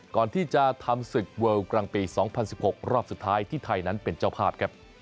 ก่อนที่จะทำศึกเวิลกลางปี๒๐๑๖รอบสุดท้ายที่ไทยนั้นเป็นเจ้าภาพครับ